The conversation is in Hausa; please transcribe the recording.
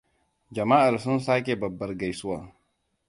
Jama'ar sun sake babbar gaisuwa.